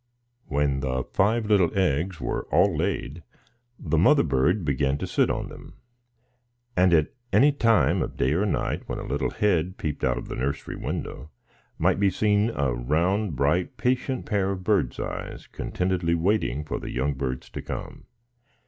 When the five little eggs were all laid, the mother bird began to sit on them; and at any time of day or night, when a little head peeped out of the nursery window, might be seen a round, bright, patient pair of bird's eyes contentedly waiting for the young birds to come.